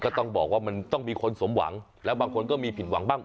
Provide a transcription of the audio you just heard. ก็ต้องบอกว่ามันต้องมีคนสมหวังแล้วบางคนก็มีผิดหวังบ้าง